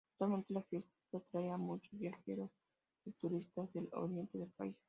Actualmente la fiesta atrae a muchos viajeros y turistas del oriente del país.